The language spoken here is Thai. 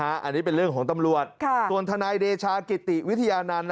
อันนี้เป็นเรื่องของตำรวจส่วนทนายเดชากิติวิทยานันต์